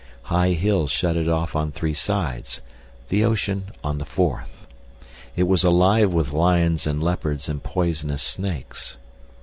High hills shut it off on three sides, the ocean on the fourth. It was alive with lions and leopards and poisonous snakes.